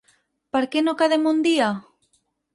Per què no quedem un dia?